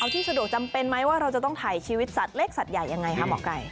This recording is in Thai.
ที่สะดวกจำเป็นไหมว่าเราจะต้องถ่ายชีวิตสัตว์เล็กสัตว์ใหญ่ยังไงคะหมอไก่